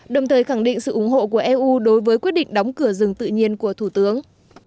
đồng thời khẳng định sự ủng hộ của eu đối với quyết định đóng cửa rừng tự nhiên của thủ tướng